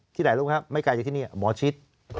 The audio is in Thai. ไหนรู้ครับไม่ไกลจากที่นี่หมอชิด